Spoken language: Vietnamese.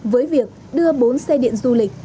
với việc đưa bốn xe điện du lịch